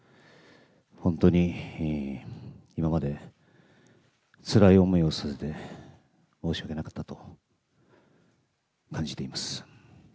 本当に今までつらい思いをさせて申し訳なかったと感じています。